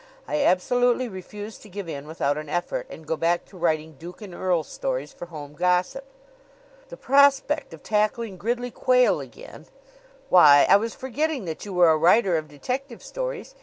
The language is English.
I absolutely refuse to give in without an effort and go back to writing duke and earl stories for Home Gossip." "The prospect of tackling Gridley Quayle again " "Why, I was forgetting that you were a writer of detective stories.